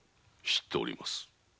知っております。